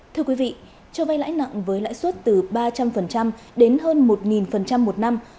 thưa quý vị cho vay lãi nặng với lãi suất từ ba trăm linh đến hơn một một năm